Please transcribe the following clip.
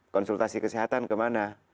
konsultasi kesehatan kemana